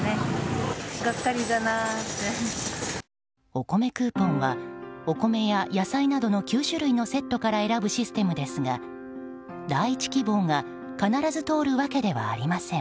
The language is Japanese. おこめクーポンはお米や野菜などの９種類のセットから選ぶシステムですが第１希望が必ず通るわけではありません。